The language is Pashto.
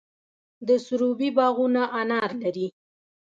د سروبي باغونه انار لري.